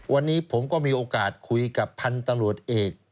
วันนี้ผมก็มีโอกาสคุยกับพันธุ์ตำรวจเอก